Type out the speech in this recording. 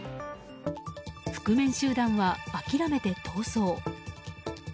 覆面集団は諦めて逃走。